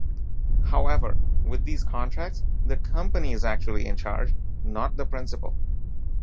However, with these contracts, the company is actually in charge - not the principal.